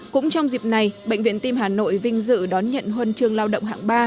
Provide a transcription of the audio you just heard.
cũng trong dịp này bệnh viện tim hà nội vinh dự đón nhận huân trường lao động hạng ba